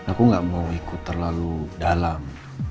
aku gak mau ikut terlalu dalam